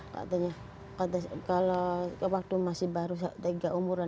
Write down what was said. katanya kalau waktu masih baru tiga umuran tiga tahunan